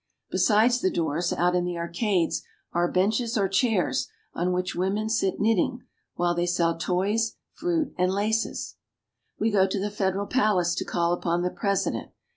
Beside the doors, out in the arcades, are benches or chairs, on which women sit knitting, while they sell toys, fruit, and laces. 270 SWITZERLAND. We go to the federal palace to call upon the president.